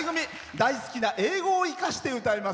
大好きな英語を生かして歌います。